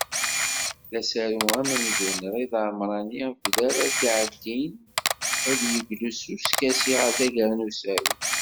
D asaru amenzu n Rida Amrani akked ara d-iɛeddin, ad d-yeglu s uskasi ɣer tagara n usaru.